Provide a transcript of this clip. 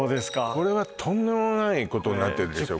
これはとんでもないことになってるでしょ